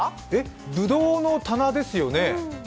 ぶどうの棚ですよね。